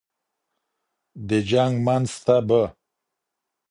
د جنګ منځ ته به